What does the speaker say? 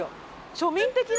庶民的な。